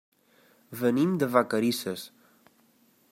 Venim de Vacarisses.